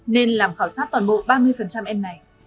nên làm khảo sát toàn bộ ba mươi em này